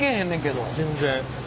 全然。